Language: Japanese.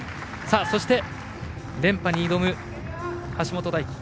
そして連覇に挑む橋本大輝。